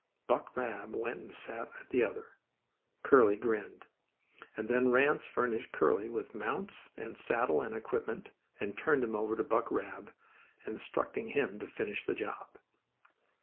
Buck Rabb went and sat at the other. Curly—grinned. And then Ranse furnished Curly with mounts and saddle and equipment, and turned him over to Buck Rabb, instructing him to finish the job.